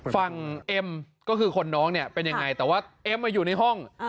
เอ็มก็คือคนน้องเนี่ยเป็นยังไงแต่ว่าเอ็มมาอยู่ในห้อง